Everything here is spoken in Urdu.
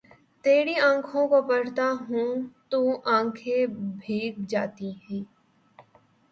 تری آنکھوں کو پڑھتا ہوں تو آنکھیں بھیگ جاتی ہی